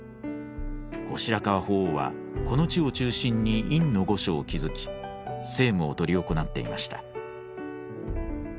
後白河法皇はこの地を中心に院御所を築き政務を執り行っていました。